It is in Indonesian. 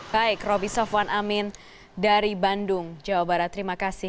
baik roby sofwan amin dari bandung jawa barat terima kasih